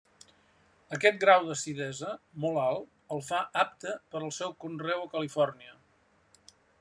Aquest grau d'acidesa, molt alt, el fa apte per al seu conreu a Califòrnia.